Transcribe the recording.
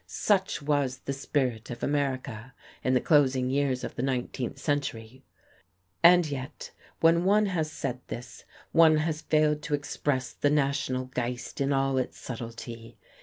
Such was the spirit of America, in the closing years of the nineteenth century. And yet, when one has said this, one has failed to express the national Geist in all its subtlety.